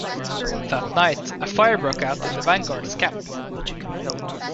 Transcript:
That night, a fire broke out in the vanguard's camp.